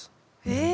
え！